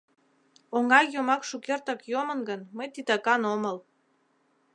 — Оҥай йомак шукертак йомын гын, мый титакан омыл.